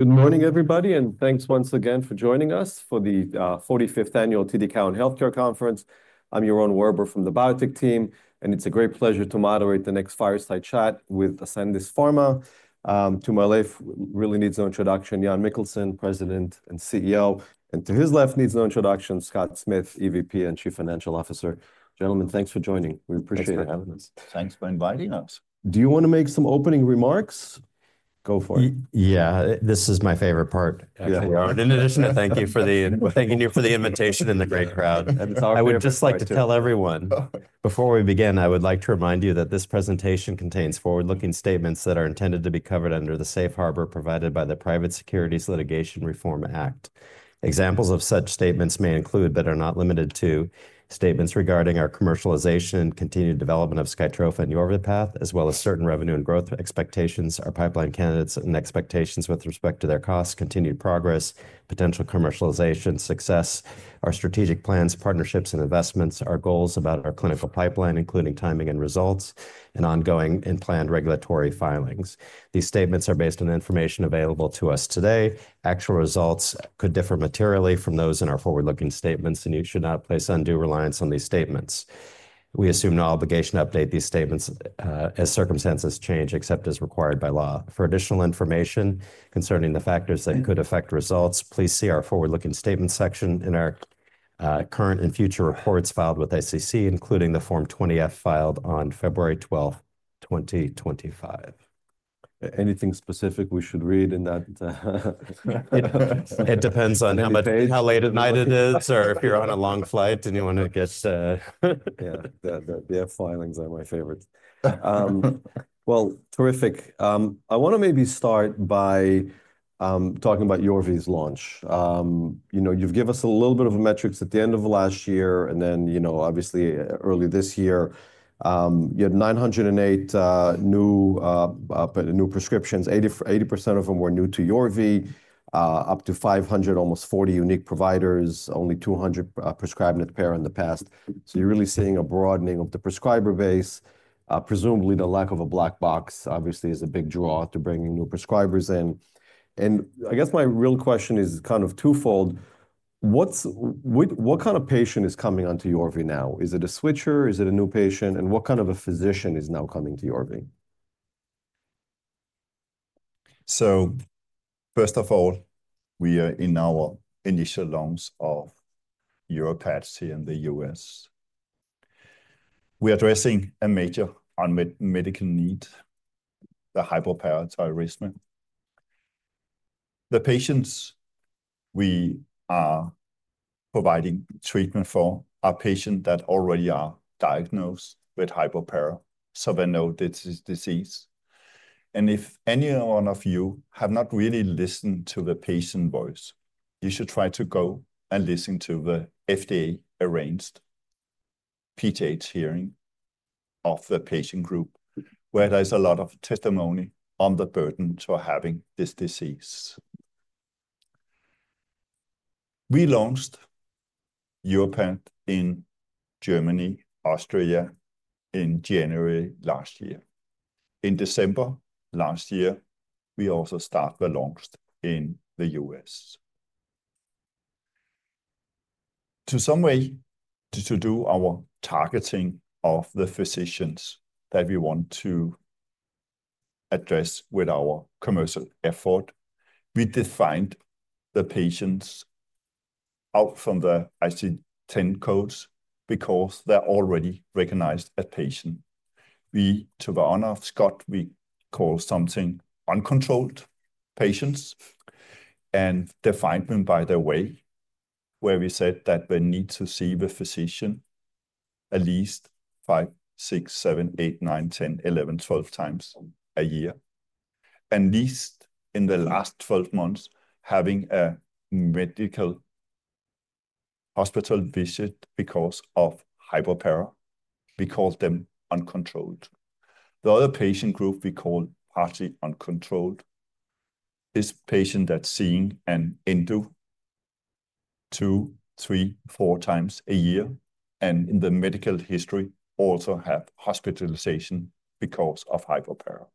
Good morning, everybody, and thanks once again for joining us for the 45th Annual TD Cowen Healthcare Conference. I'm Yaron Werber from the Biotech Team, and it's a great pleasure to moderate the next fireside chat with Ascendis Pharma. To my left, really needs no introduction, Jan Mikkelsen, President and CEO, and to his left needs no introduction, Scott Smith, EVP and Chief Financial Officer. Gentlemen, thanks for joining. We appreciate your. Thanks for having us. Thanks for inviting us. Do you want to make some opening remarks? Go for it. Yeah, this is my favorite part. Yeah, we are. In addition, thank you for the invitation and the great crowd. I would just like to tell everyone, before we begin, I would like to remind you that this presentation contains forward-looking statements that are intended to be covered under the safe harbor provided by the Private Securities Litigation Reform Act. Examples of such statements may include, but are not limited to, statements regarding our commercialization and continued development of SkyTrofa and Yorvipath, as well as certain revenue and growth expectations, our pipeline candidates and expectations with respect to their costs, continued progress, potential commercialization success, our strategic plans, partnerships and investments, our goals about our clinical pipeline, including timing and results, and ongoing and planned regulatory filings. These statements are based on the information available to us today. Actual results could differ materially from those in our forward-looking statements, and you should not place undue reliance on these statements. We assume no obligation to update these statements as circumstances change, except as required by law. For additional information concerning the factors that could affect results, please see our forward-looking statement section in our current and future reports filed with SEC, including the Form 20-F filed on February 12, 2025. Anything specific we should read in that? It depends on how late at night it is or if you're on a long flight and you want to get. Yeah, the F filings are my favorite. Well, terrific. I want to maybe start by talking about Yorvi's launch. You know, you've given us a little bit of metrics at the end of last year, and then, you know, obviously early this year, you had 908 new prescriptions. 80% of them were new to Yorvi, up to 500, almost 40 unique providers, only 200 prescribed it prior in the past. So you're really seeing a broadening of the prescriber base. Presumably, the lack of a black box obviously is a big draw to bringing new prescribers in. And I guess my real question is kind of twofold. What kind of patient is coming onto Yorvi now? Is it a switcher? Is it a new patient? And what kind of a physician is now coming to Yorvi? So first of all, we are in our initial launch of Yorvipath here in the U.S. We are addressing a major medical need, the hypoparathyroidism. The patients we are providing treatment for are patients that already are diagnosed with hypopara, so they know this disease. And if any one of you have not really listened to the patient voice, you should try to go and listen to the FDA-arranged PTH hearing of the patient group, where there's a lot of testimony on the burden for having this disease. We launched Yorvipath in Germany, Austria, in January last year. In December last year, we also started the launch in the U.S. In some way, to do our targeting of the physicians that we want to address with our commercial effort, we defined the patients out from the ICD-10 codes because they're already recognized as patients. We, to the honor of Scott, we call something uncontrolled patients and defined them by their way, where we said that they need to see the physician at least five, six, seven, eight, nine, ten, eleven, twelve times a year. At least in the last twelve months, having a medical hospital visit because of hypopara, we call them uncontrolled. The other patient group we call partially uncontrolled is patients that are seeing an endo two, three, four times a year, and in the medical history also have hospitalization because of hypopara.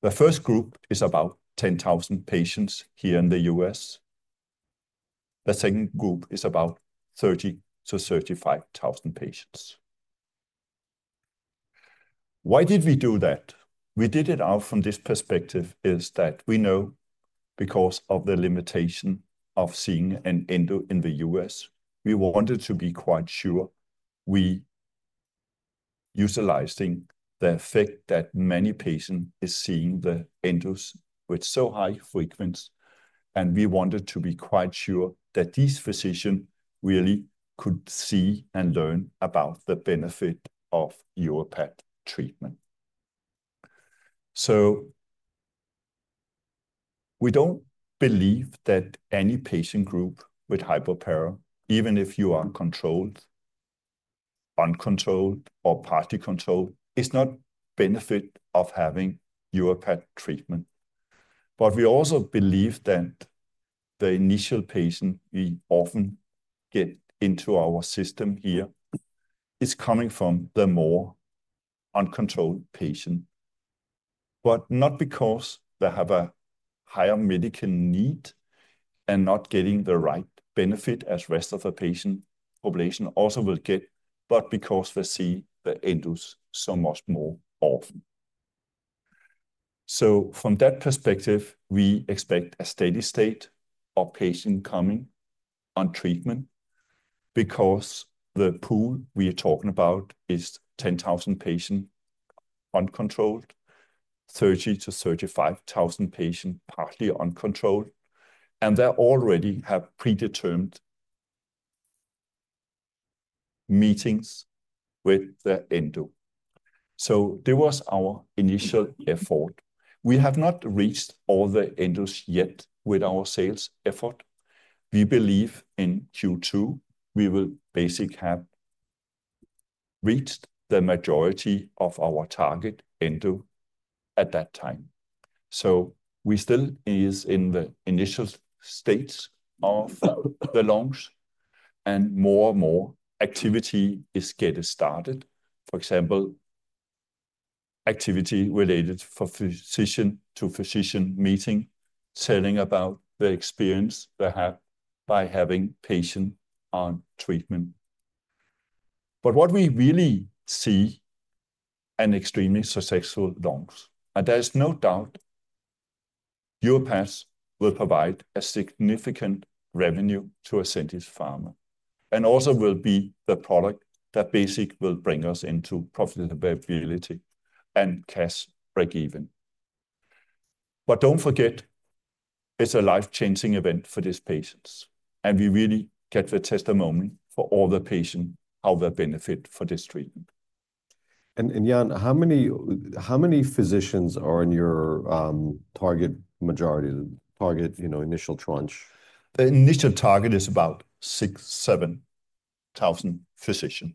The first group is about 10,000 patients here in the U.S. The second group is about 30,000-35,000 patients. Why did we do that? We did it out from this perspective is that we know because of the limitation of seeing an endo in the U.S., we wanted to be quite sure we utilizing the fact that many patients are seeing the endos with so high frequency, and we wanted to be quite sure that these physicians really could see and learn about the benefit of Yorvipath treatment. So we don't believe that any patient group with hypopara, even if you are controlled, uncontrolled, or partially controlled, is not benefit of having Yorvipath treatment. But we also believe that the initial patient we often get into our system here is coming from the more uncontrolled patients, but not because they have a higher medical need and not getting the right benefit as the rest of the patient population also will get, but because they see the endos so much more often. So from that perspective, we expect a steady state of patients coming on treatment because the pool we are talking about is 10,000 patients uncontrolled, 30,000 to 35,000 patients partially uncontrolled, and they already have predetermined meetings with the endo. So there was our initial effort. We have not reached all the endos yet with our sales effort. We believe in Q2, we will basically have reached the majority of our target endo at that time. So we still are in the initial stage of the launch, and more and more activity is getting started. For example, activity related for physician to physician meeting, telling about the experience they have by having patients on treatment. But what we really see is an extremely successful launch. There's no doubt Yorvipath will provide significant revenue to Ascendis Pharma and also will be the product that basically will bring us into profitability and cash breakeven. Don't forget, it's a life-changing event for these patients, and we really get the testimony for all the patients how they benefit from this treatment. And Jan, how many physicians are in your target majority, target, you know, initial tranche? The initial target is about 6,000-7,000 physicians.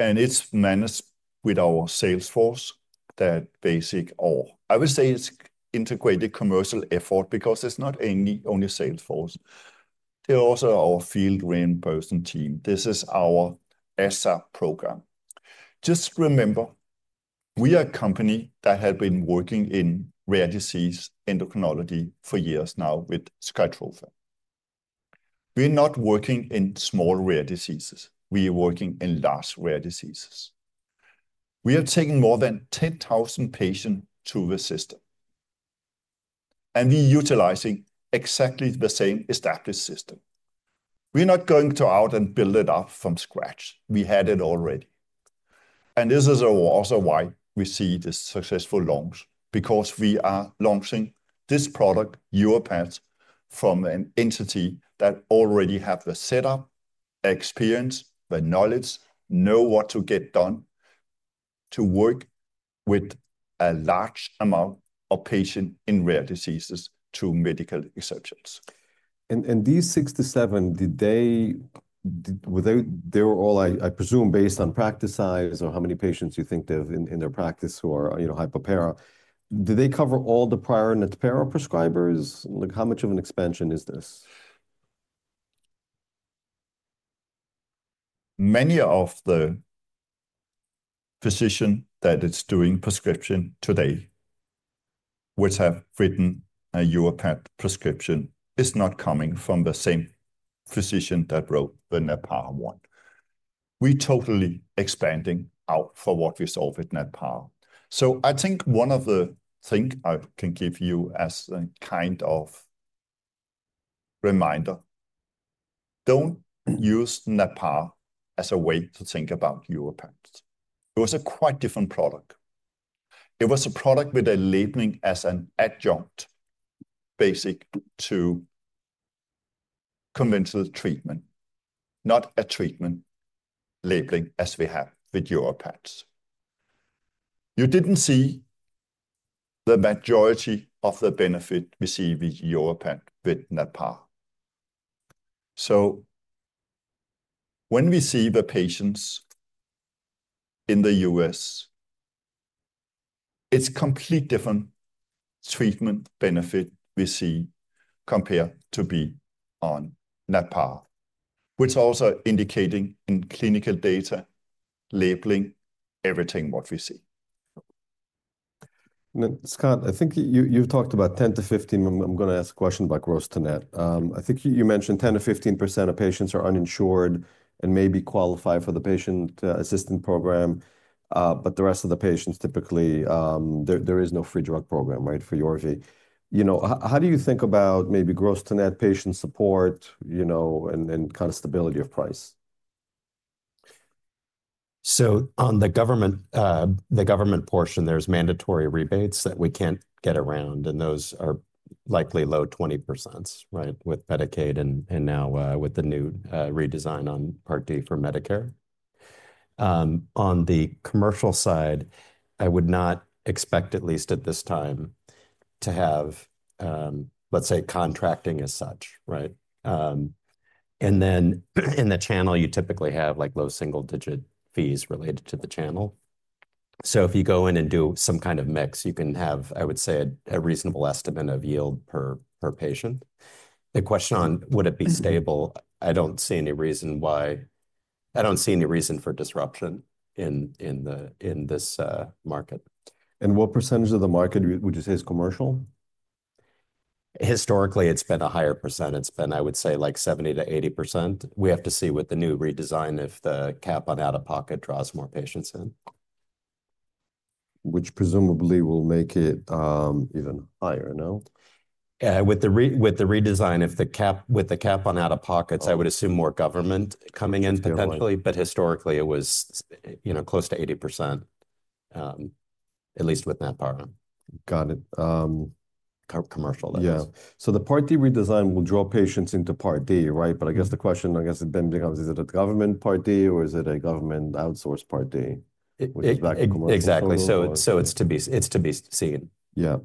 And it's managed with our sales force that basically, or I would say it's integrated commercial effort because it's not only sales force. There are also our field reimbursement team. This is our ESSA program. Just remember, we are a company that has been working in rare disease endocrinology for years now with SkyTrofa. We're not working in small rare diseases. We are working in large rare diseases. We are taking more than 10,000 patients to the system, and we are utilizing exactly the same established system. We're not going out to build it up from scratch. We had it already. This is also why we see this successful launch, because we are launching this product, Yorvipath, from an entity that already has the setup, experience, the knowledge, knows what to get done to work with a large amount of patients in rare diseases to medical exceptions. These 67, did they, were they all, I presume, based on practice size or how many patients you think they have in their practice who are, you know, hypopara? Do they cover all the prior and the paraprescribers? Like how much of an expansion is this? Many of the physicians that are doing prescription today, which have written a Yorvipath prescription, are not coming from the same physician that wrote the Natpara one. We are totally expanding out for what we saw with Natpara. So I think one of the things I can give you as a kind of reminder, don't use Natpara as a way to think about Yorvipath. It was a quite different product. It was a product with a labeling as an adjunct basic to conventional treatment, not a treatment labeling as we have with Yorvipath. You didn't see the majority of the benefit we see with Yorvipath with Natpara. So when we see the patients in the U.S., it's a completely different treatment benefit we see compared to being on Natpara, which is also indicating in clinical data labeling everything what we see. Scott, I think you've talked about 10%-15%. I'm going to ask a question about gross-to-net. I think you mentioned 10%-15% of patients are uninsured and maybe qualify for the patient assistance program, but the rest of the patients typically, there is no free drug program, right, for Yorvi. You know, how do you think about maybe gross-to-net patient support, you know, and kind of stability of price? On the government portion, there's mandatory rebates that we can't get around, and those are likely low 20%, right, with Medicaid and now with the new redesign on Part D for Medicare. On the commercial side, I would not expect, at least at this time, to have, let's say, contracting as such, right? And then in the channel, you typically have like low single-digit fees related to the channel. If you go in and do some kind of mix, you can have, I would say, a reasonable estimate of yield per patient. The question on would it be stable, I don't see any reason why, I don't see any reason for disruption in this market. What percentage of the market would you say is commercial? Historically, it's been a higher percent. It's been, I would say, like 70%-80%. We have to see with the new redesign if the cap on out-of-pocket draws more patients in. Which presumably will make it even higher, no? With the redesign, if the cap on out-of-pocket, I would assume more government coming in potentially, but historically it was, you know, close to 80%, at least with Natpara. Got it. Commercial, that is. Yeah. So the Part D redesign will draw patients into Part D, right? But I guess the question, I guess it then becomes, is it a government Part D or is it a government outsourced Part D? Exactly. So it's to be seen. Yeah.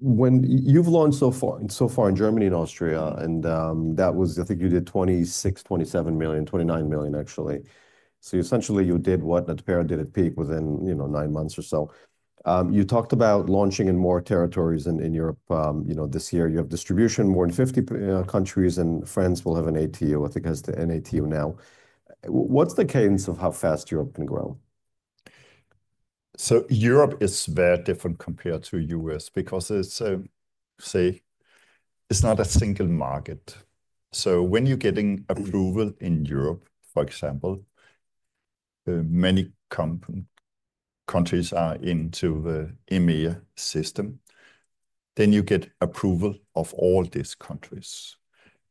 When you've launched so far in Germany and Austria, and that was, I think you did 26 million, 27 million, 29 million actually. So essentially you did what Natpara did at peak within, you know, nine months or so. You talked about launching in more territories in Europe, you know, this year. You have distribution in more than 50 countries, and France will have an ATU. I think it has an ATU now. What's the cadence of how fast Europe can grow? Europe is very different compared to the U.S. because it's, say, it's not a single market. When you're getting approval in Europe, for example, many countries are into the EMEA system, then you get approval of all these countries.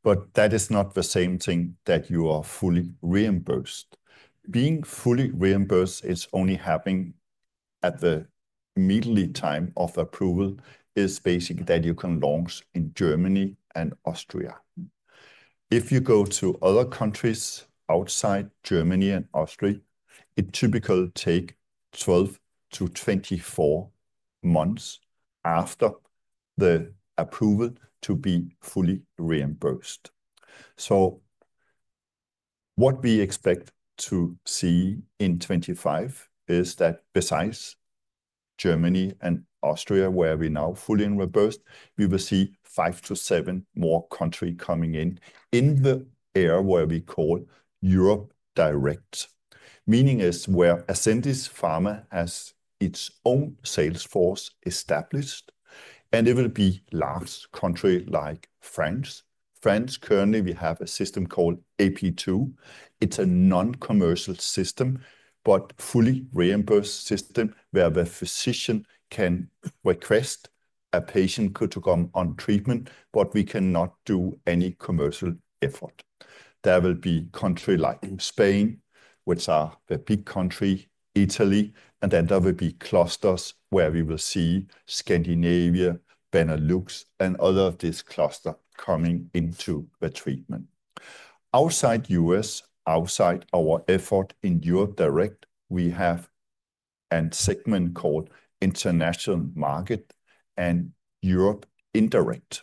But that is not the same thing that you are fully reimbursed. Being fully reimbursed is only happening at the immediate time of approval. It is basically that you can launch in Germany and Austria. If you go to other countries outside Germany and Austria, it typically takes 12-24 months after the approval to be fully reimbursed. What we expect to see in 2025 is that besides Germany and Austria, where we are now fully reimbursed, we will see five-seven more countries coming in in the area where we call Europe Direct. Meaning is where Ascendis Pharma has its own sales force established, and it will be large countries like France. France, currently we have a system called AP2. It's a non-commercial system, but fully reimbursed system where the physician can request a patient to come on treatment, but we cannot do any commercial effort. There will be countries like Spain, which are the big country, Italy, and then there will be clusters where we will see Scandinavia, Benelux, and other of these clusters coming into the treatment. Outside the US, outside our effort in Europe Direct, we have a segment called International Market and Europe Indirect.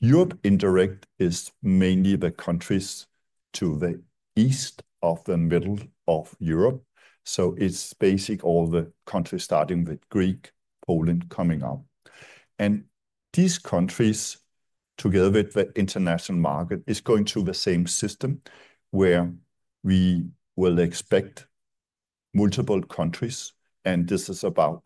Europe Indirect is mainly the countries to the east of the middle of Europe, so it's basically all the countries starting with Greece, Poland coming out. These countries, together with the international market, are going to the same system where we will expect multiple countries, and this is about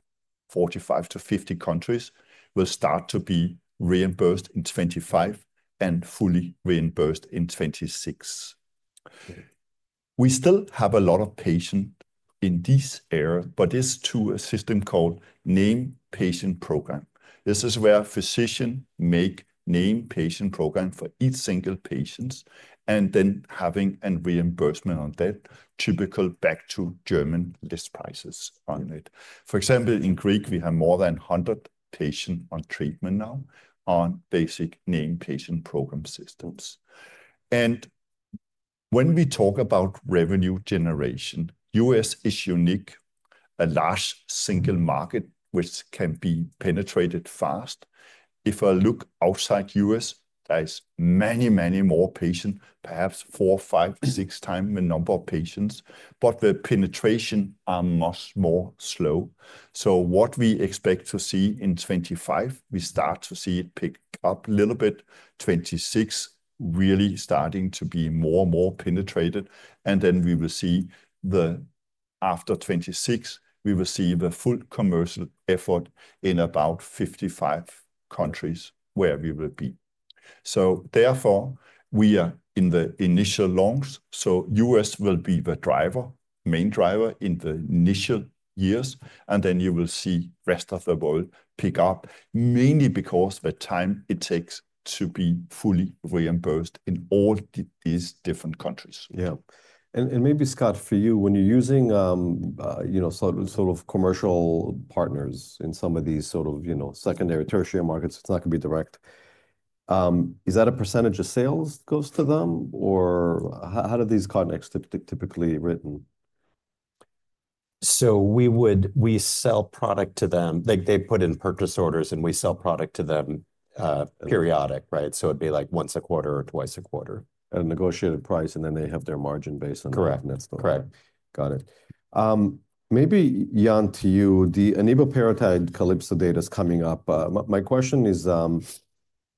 45 to 50 countries, will start to be reimbursed in 2025 and fully reimbursed in 2026. We still have a lot of patients in this area, but it's to a system called Named Patient Program. This is where physicians make Named Patient Programs for each single patient and then have a reimbursement on that, typical back to German list prices on it. For example, in Greece, we have more than 100 patients on treatment now on basic Named Patient Program systems. When we talk about revenue generation, the U.S. is unique, a large single market, which can be penetrated fast. If I look outside the U.S., there are many, many more patients, perhaps four, five, six times the number of patients, but the penetration is much more slow. So what we expect to see in 2025, we start to see it pick up a little bit. 2026, really starting to be more and more penetrated, and then we will see the after 2026, we will see the full commercial effort in about 55 countries where we will be. So therefore, we are in the initial launch. So the U.S. will be the driver, main driver in the initial years, and then you will see the rest of the world pick up, mainly because of the time it takes to be fully reimbursed in all these different countries. Yeah. And maybe, Scott, for you, when you're using, you know, sort of commercial partners in some of these sort of, you know, secondary tertiary markets, it's not going to be direct. Is that a percentage of sales that goes to them? Or how are these contracts typically written? So we would. We sell product to them. They put in purchase orders and we sell product to them periodic, right? So it'd be like once a quarter or twice a quarter. At a negotiated price, and then they have their margin based on that. Correct. Got it. Maybe, Jan, to you, the eneboparatide CALYPSO data is coming up. My question is,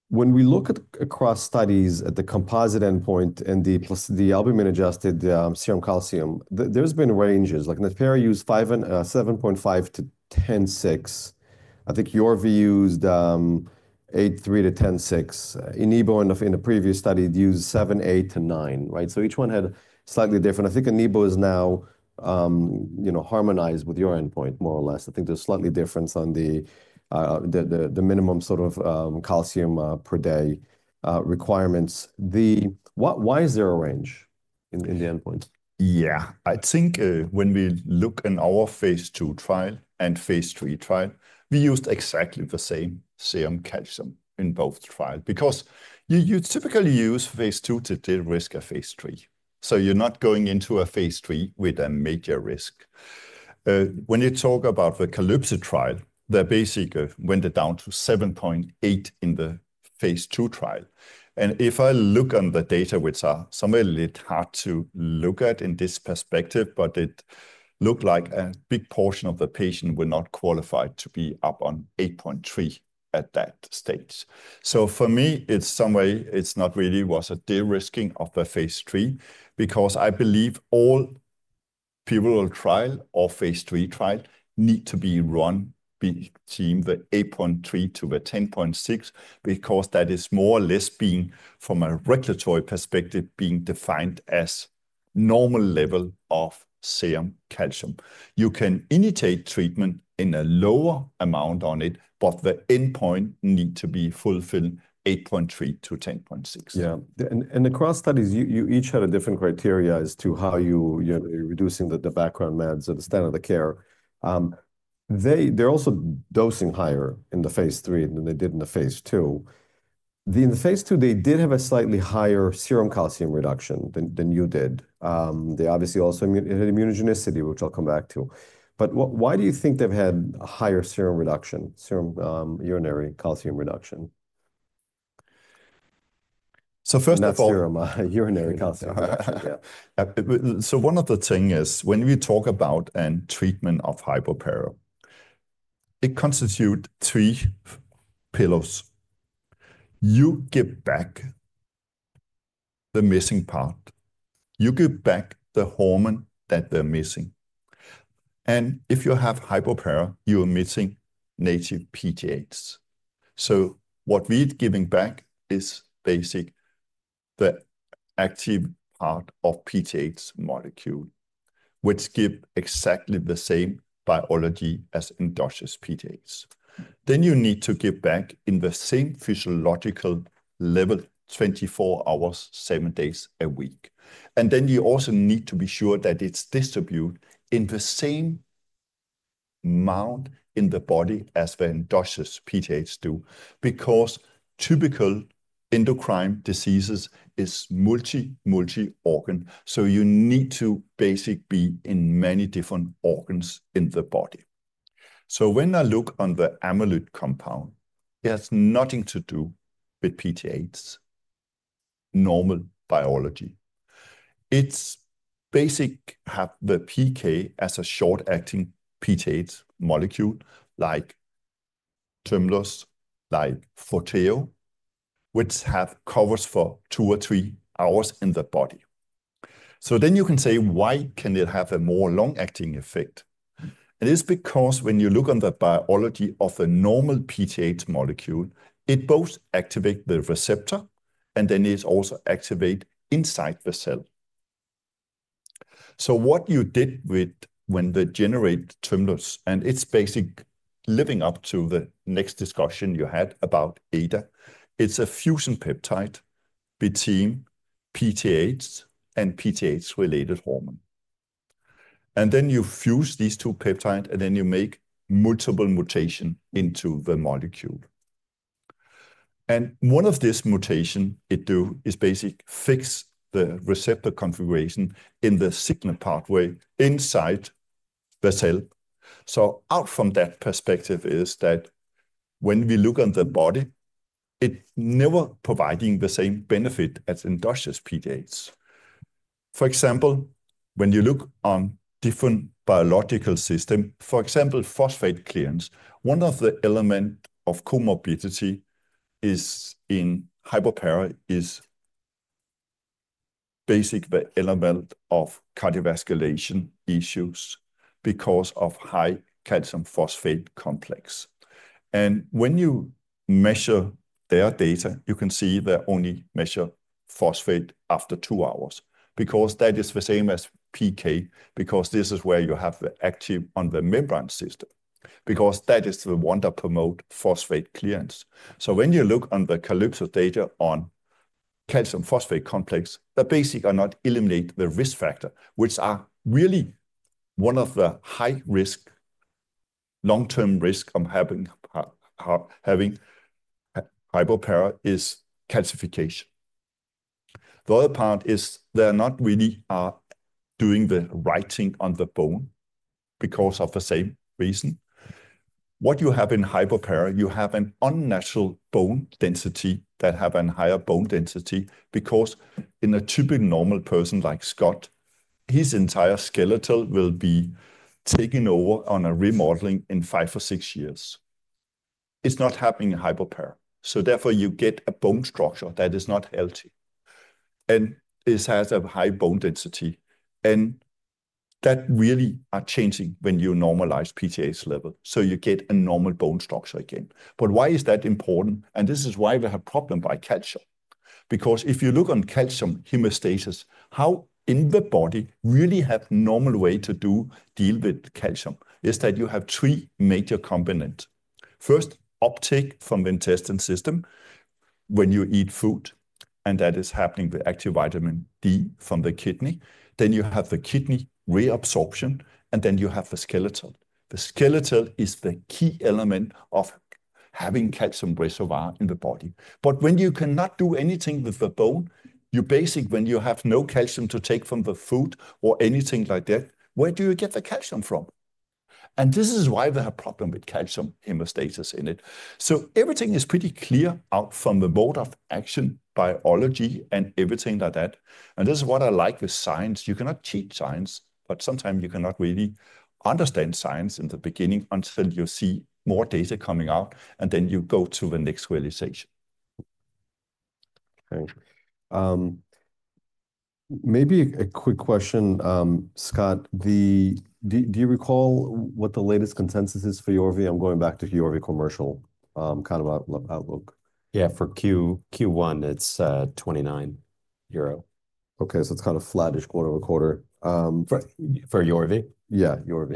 when we look at across studies at the composite endpoint and the albumin-adjusted serum calcium, there have been ranges like Natpara used 7.5-10.6. I think Yorvi used 8.3-10.6. Eneboparatide in a previous study used 7.8-9, right? So each one had slightly different. I think eneboparatide is now, you know, harmonized with your endpoint more or less. I think there's slightly difference on the minimum sort of calcium per day requirements. Why is there a range in the endpoint? Yeah, I think when we look in our phase II trial and phase III trial, we used exactly the same serum calcium in both trials because you typically use phase II to deal with risk of phase III. So you're not going into a phase III with a major risk. When you talk about the CALYPSO trial, the baseline went down to 7.8 in the phase II trial. And if I look on the data, which are somewhere a little hard to look at in this perspective, but it looked like a big portion of the patients were not qualified to be up on 8.3 at that stage. For me, it's somewhere. It's not really a de-risking of the phase III because I believe all pivotal trials or phase III trials need to be run between 8.3-10.6 because that is more or less, from a regulatory perspective, being defined as a normal level of serum calcium. You can initiate treatment in a lower amount on it, but the endpoint needs to be fulfilled 8.3-10.6. Yeah. And across studies, you each had a different criteria as to how you're reducing the background meds or the standard of care. They're also dosing higher in the phase III than they did in the phase II. In the phase II, they did have a slightly higher serum calcium reduction than you did. They obviously also had immunogenicity, which I'll come back to. But why do you think they've had a higher serum reduction, serum urinary calcium reduction? First of all. Not serum, urinary calcium. Yeah. One of the things is when we talk about treatment of hypopara, it constitutes three pillars. You give back the missing part. You give back the hormone that they're missing. And if you have hypopara, you're missing native PTHs. So what we're giving back is basically the active part of PTH molecule, which gives exactly the same biology as endogenous PTHs. Then you need to give back in the same physiological level, 24 hours, seven days a week. And then you also need to be sure that it's distributed in the same amount in the body as the endogenous PTHs do because typical endocrine diseases are multi, multi-organ. So you need to basically be in many different organs in the body. So when I look on the Amolyt compound, it has nothing to do with PTHs, normal biology. It's basically the PK as a short-acting PTH molecule like Tymlos, like Forteo, which have half-lives for two or three hours in the body. So then you can say, why can it have a more long-acting effect? It's because when you look on the biology of a normal PTH molecule, it both activates the receptor and then it also activates inside the cell. So what you did when they generate Tymlos, and it's basically leading up to the next discussion you had about ADA, it's a fusion peptide between PTHs and PTH-related hormone. Then you fuse these two peptides, and then you make multiple mutations into the molecule. One of these mutations it does is basically fix the receptor configuration in the signal pathway inside the cell. From that perspective, it is that when we look on the body, it's never providing the same benefit as endogenous PTHs. For example, when you look on different biological systems, for example, phosphate clearance, one of the elements of comorbidity in hypopara is basically the element of cardiovascular issues because of high calcium phosphate complex. And when you measure their data, you can see they only measure phosphate after two hours because that is the same as PK, because this is where you have the active on the membrane system, because that is the one that promotes phosphate clearance. So when you look on the CALYPSO data on calcium phosphate complex, they basically are not eliminating the risk factor, which is really one of the high-risk, long-term risks of having hypopara, is calcification. The other part is they're not really doing the remodeling on the bone because of the same reason. What you have in hypopara, you have an unnatural bone density that has a higher bone density because in a typical normal person like Scott, his entire skeleton will be taken over by remodeling in five or six years. It's not happening in hypopara. So therefore, you get a bone structure that is not healthy. And it has a high bone density. And that really changes when you normalize PTH level. So you get a normal bone structure again. But why is that important? And this is why we have a problem with calcium. Because if you look at calcium homeostasis, how the body really has a normal way to deal with calcium is that you have three major components. First, uptake from the intestinal system when you eat food, and that is happening with active vitamin D from the kidney. Then you have the kidney reabsorption, and then you have the skeleton. The skeleton is the key element of having calcium reservoir in the body. But when you cannot do anything with the bone, you basically, when you have no calcium to take from the food or anything like that, where do you get the calcium from? And this is why we have a problem with calcium homeostasis in it. So everything is pretty clear from the mode of action, biology, and everything like that. And this is what I like with science. You cannot cheat science, but sometimes you cannot really understand science in the beginning until you see more data coming out, and then you go to the next realization. Okay. Maybe a quick question, Scott. Do you recall what the latest consensus is for Yorvi? I'm going back to Yorvi commercial kind of outlook. Yeah, for Q1, it's 29 euro. Okay, so it's kind of flattish quarter over quarter. For Yorvi? Yeah, Yorvi.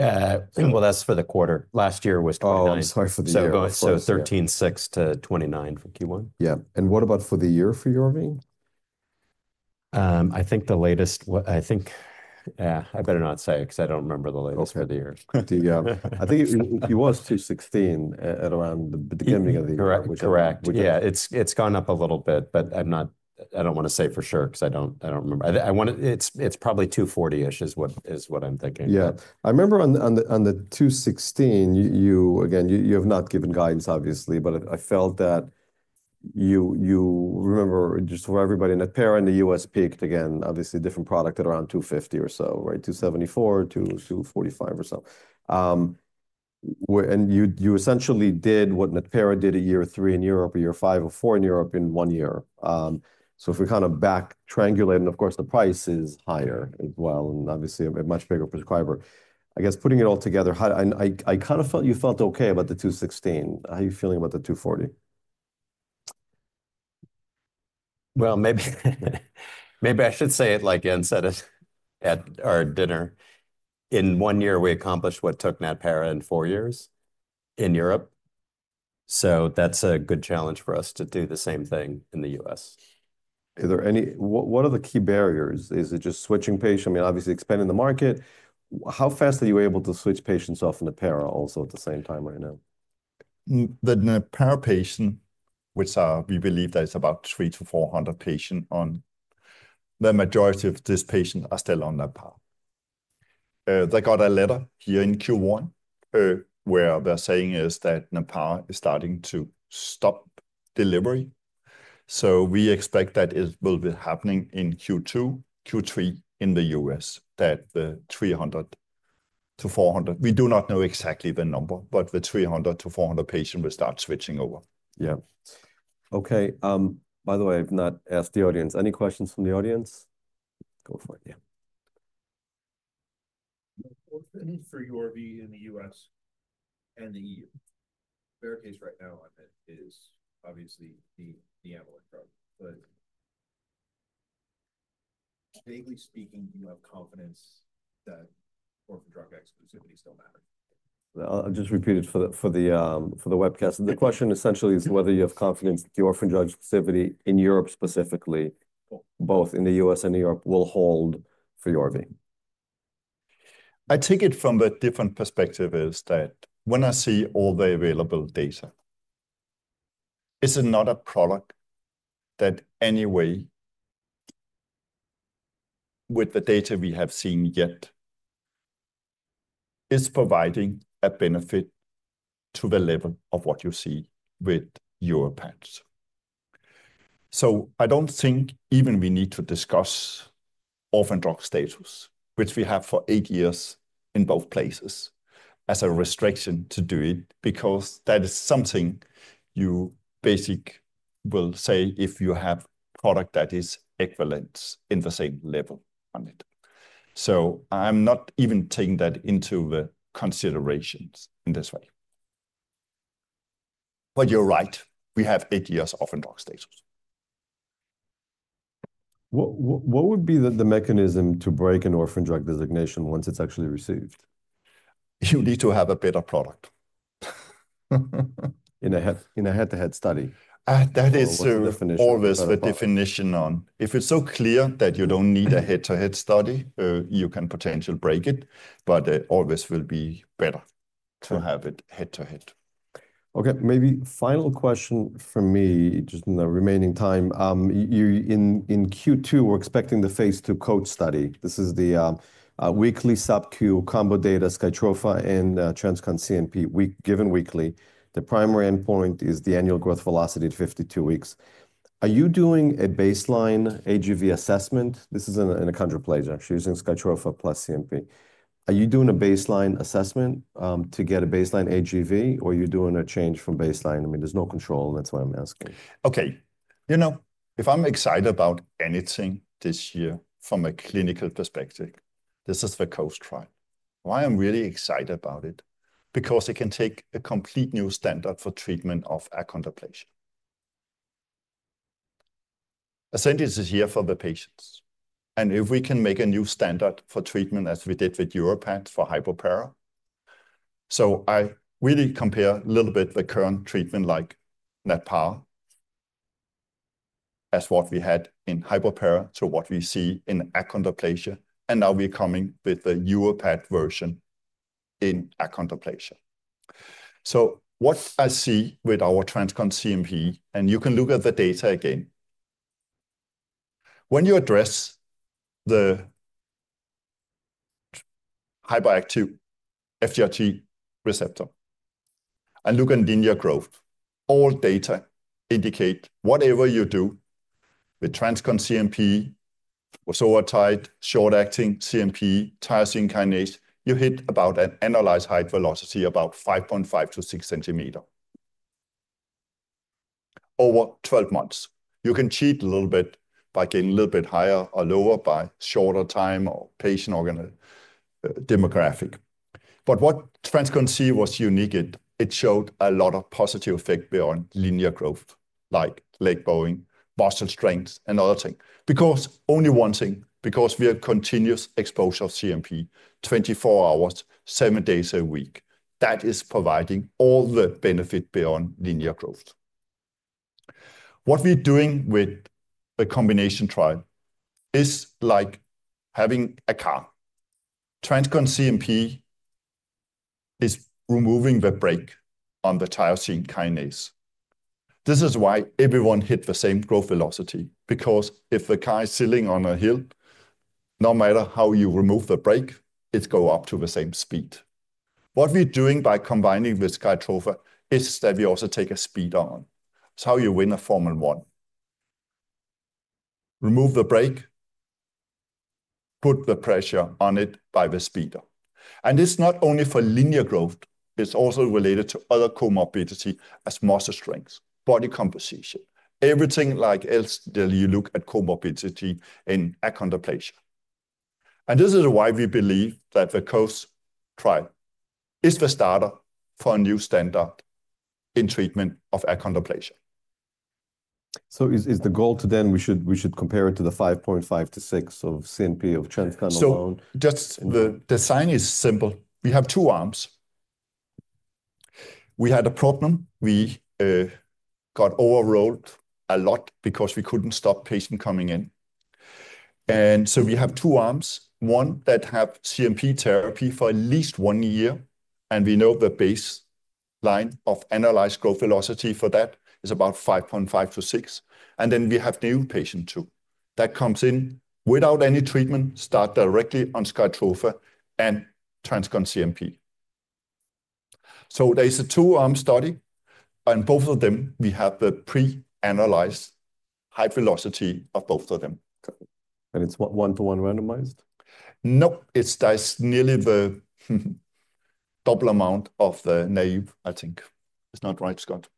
That's for the quarter. Last year was 29. Oh, I'm sorry for the year. 13.6 to 29 for Q1. Yeah. And what about for the year for Yorvipath? I think, yeah, I better not say it because I don't remember the latest for the year. I think it was 2.16 at around the beginning of the year. Correct. Correct. Yeah, it's gone up a little bit, but I don't want to say for sure because I don't remember. It's probably 2.40-ish is what I'm thinking. Yeah. I remember on the 2.16, again, you have not given guidance, obviously, but I felt that you remember just for everybody, Natpara and the U.S. peaked again, obviously different product at around 2.50 or so, right? 2.74, 2.45 or so. And you essentially did what Natpara did a year or three in Europe, a year or five or four in Europe in one year. So if we kind of back triangulate and of course the price is higher as well and obviously a much bigger prescriber, I guess putting it all together, I kind of felt you felt okay about the 2.16. How are you feeling about the 2.40? Maybe I should say it like Jan said at our dinner. In one year, we accomplished what took Natpara in four years in Europe. That's a good challenge for us to do the same thing in the U.S. What are the key barriers? Is it just switching patients? I mean, obviously expanding the market. How fast are you able to switch patients off Natpara also at the same time right now? The Natpara patients, which we believe that is about 300-400 patients on, the majority of these patients are still on Natpara. They got a letter here in Q1 where they're saying is that Natpara is starting to stop delivery. So we expect that it will be happening in Q2, Q3 in the U.S., that the 300-400, we do not know exactly the number, but the 300-400 patients will start switching over. Yeah. Okay. By the way, I've not asked the audience. Any questions from the audience? Go for it. For Yorvi in the U.S. and the EU, the barricade right now on it is obviously the Amolyt drug, but vaguely speaking, you have confidence that orphan drug exclusivity still matters. I'll just repeat it for the webcast. The question essentially is whether you have confidence that the orphan drug exclusivity in Europe specifically, both in the US and Europe, will hold for Yorvi? I take it from a different perspective is that when I see all the available data, it's not a product that any way with the data we have seen yet is providing a benefit to the level of what you see with your patch. So I don't think even we need to discuss orphan drug status, which we have for eight years in both places, as a restriction to do it because that is something you basically will say if you have a product that is equivalent in the same level on it. So I'm not even taking that into the considerations in this way. But you're right. We have eight years of orphan drug status. What would be the mechanism to break an orphan drug designation once it's actually received? You need to have a better product. In a head-to-head study. That is always the definition on. If it's so clear that you don't need a head-to-head study, you can potentially break it, but it always will be better to have it head-to-head. Okay. Maybe final question for me just in the remaining time. In Q2, we're expecting the phase II combo study. This is the weekly subQ combo data, SkyTrofa and TransCon CNP, given weekly. The primary endpoint is the annual growth velocity at 52 weeks. Are you doing a baseline AGV assessment? This is in achondroplasia actually using SkyTrofa plus CNP. Are you doing a baseline assessment to get a baseline AGV or are you doing a change from baseline? I mean, there's no control. That's why I'm asking. Okay. You know, if I'm excited about anything this year from a clinical perspective, this is the Coast trial. Why I'm really excited about it? Because it can take a complete new standard for treatment of our achondroplasia. The science is here for the patients, and if we can make a new standard for treatment as we did with Yorvipath for hypopara, so I really compare a little bit the current treatment like Natpara as what we had in hypopara to what we see in our achondroplasia, and now we're coming with the Yorvipath version in our achondroplasia. What I see with our TransCon CNP, and you can look at the data again, when you address the hypoactive FGFR3 receptor and look at linear growth, all data indicate whatever you do with TransCon CNP, vosoritide, short-acting CNP, tyrosine kinase, you hit about an annualized height velocity of about 5.5-6 centimeters over 12 months. You can cheat a little bit by getting a little bit higher or lower by shorter time or patient organ demographic. But what TransCon CNP was unique, it showed a lot of positive effect beyond linear growth, like leg bowing, muscle strength, and other things. Because only one thing, because we have continuous exposure of CNP, 24 hours, seven days a week, that is providing all the benefit beyond linear growth. What we're doing with a combination trial is like having a car. TransCon CNP is removing the brake on the tyrosine kinase. This is why everyone hits the same growth velocity, because if the car is sitting on a hill, no matter how you remove the brake, it goes up to the same speed. What we're doing by combining with SkyTrofa is that we also take a supercharger. It's how you win a Formula One. Remove the brake, put the pressure on it by the supercharger. And it's not only for linear growth, it's also related to other comorbidity as muscle strength, body composition, everything like else that you look at comorbidity in achondroplasia. And this is why we believe that the Coast trial is the starter for a new standard in treatment of achondroplasia. So, is the goal to then we should compare it to the 5.5-6 of CNP of TransCon alone? The design is simple. We have two arms. We had a problem. We got over-enrolled a lot because we couldn't stop patients coming in. We have two arms, one that has CNP therapy for at least one year. We know the baseline of annualized growth velocity for that is about 5.5-6. Then we have new patients too that come in without any treatment, start directly on SkyTrofa and TransCon CNP. There is a two-arm study. Both of them, we have the pre-annualized height velocity of both of them. And it's one-to-one randomized? No, it's nearly the double amount of the naive, I think. It's not right, Scott.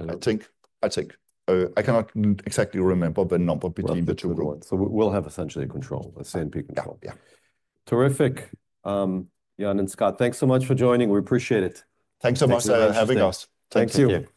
I think I cannot exactly remember the number between the two groups. We'll have essentially control, a CNP control. Yeah. Yeah. Terrific, Jan and Scott. Thanks so much for joining. We appreciate it. Thanks so much for having us. Thank you.